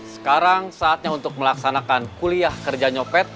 sekarang saatnya untuk melaksanakan kuliah kerja nyopet